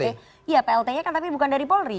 iya plt nya kan tapi bukan dari polri